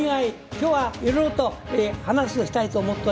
今日はいろいろと話をしたいと思っております。